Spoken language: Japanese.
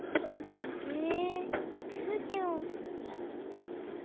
へえくうきも！